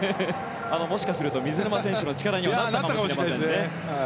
もしかすると、水沼選手の力にもなったかもしれませんね。